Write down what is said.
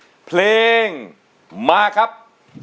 เป็นอินโทรเพลงที่๔มูลค่า๖๐๐๐๐บาท